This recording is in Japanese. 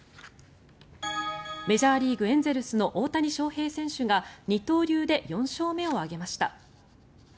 メジャーリーグ、エンゼルスの大谷翔平選手が二刀流で４勝目を挙げました。